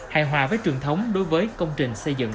hài hòa với truyền thống đối với công trình xây dựng